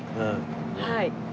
はい。